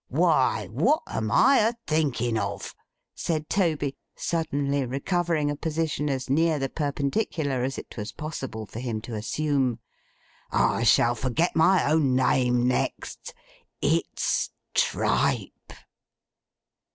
'Why, what am I a thinking of!' said Toby, suddenly recovering a position as near the perpendicular as it was possible for him to assume. 'I shall forget my own name next. It's tripe!